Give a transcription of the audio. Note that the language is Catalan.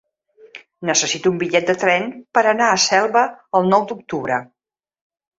Necessito un bitllet de tren per anar a Selva el nou d'octubre.